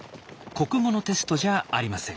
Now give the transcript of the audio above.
国語のテストじゃありません。